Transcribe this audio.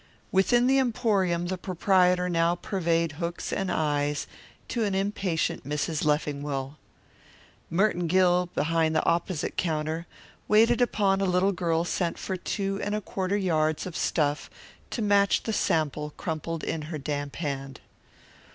Within the emporium the proprietor now purveyed hooks and eyes to an impatient Mrs. Leffingwell. Merton Gill, behind the opposite counter, waited upon a little girl sent for two and a quarter yards of stuff to match the sample crumpled in her damp hand.